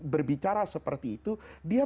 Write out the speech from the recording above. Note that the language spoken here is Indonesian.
berbicara seperti itu dia